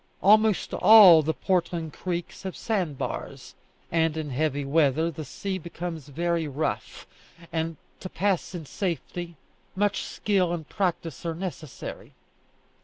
Almost all the Portland creeks have sand bars; and in heavy weather the sea becomes very rough, and, to pass in safety, much skill and practice are necessary.